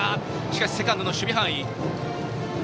しかしセカンドの守備範囲。